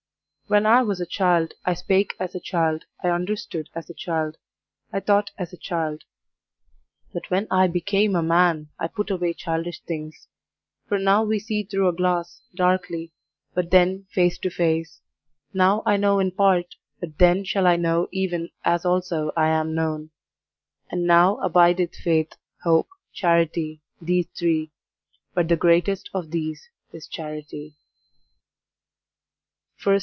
When I was a child, I spake as a child, I understood as a child, I thought as a child: but when I became a man, I put away childish things. For now we see through a glass, darkly; but then face to face: now I know in part; but then shall I know even as also I am known. And now abideth faith, hope, charity, these three; but the greatest of these is charity.